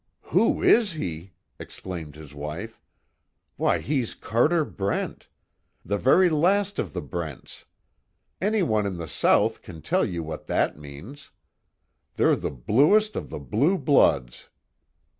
"Who is he!" exclaimed his wife, "Why he's Carter Brent! The very last of the Brents! Anyone in the South can tell you what that means. They're the bluest of the blue bloods.